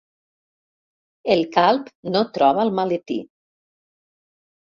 El calb no troba el maletí.